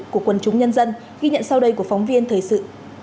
của quần chúng nhân dân ghi nhận sau đây của phóng viên thời sự